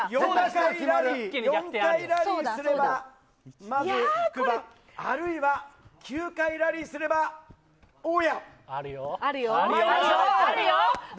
４回ラリーすれば福場あるいは９回ラリーすれば大矢。